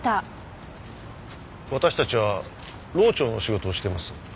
私たちは漏調の仕事をしています。